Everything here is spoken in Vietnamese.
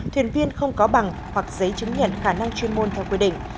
thuyền viên không có bằng hoặc giấy chứng nhận khả năng chuyên môn theo quy định